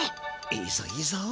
いいぞいいぞ。